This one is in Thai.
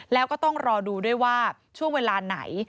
แล้วก็ต้องรอดูด้วยว่าช่วงเวลาไหน